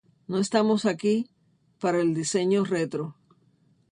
No estamos aquí para el diseño retro.